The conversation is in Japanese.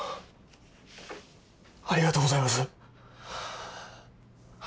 ありがとうございます。